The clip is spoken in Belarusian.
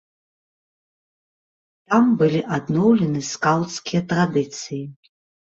Там былі адноўлены скаўцкія традыцыі.